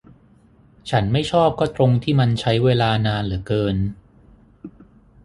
ฉันไม่ชอบก็ตรงที่มันใช้เวลานานเหลือเกิน